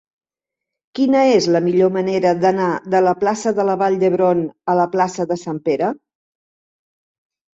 Quina és la millor manera d'anar de la plaça de la Vall d'Hebron a la plaça de Sant Pere?